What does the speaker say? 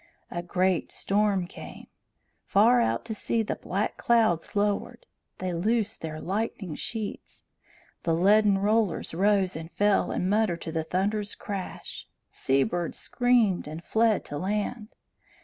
A great storm came. Far out to sea the black clouds lowered; they loosed their lightning sheets. The leaden rollers rose and fell and muttered to the thunder's crash. Sea birds screamed and fled to land.